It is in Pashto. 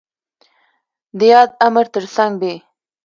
د ياد امر تر څنګ ب